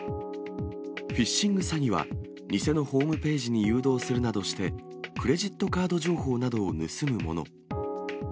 フィッシング詐欺は、偽のホームページに誘導するなどして、クレジットカード情報などを盗むもの。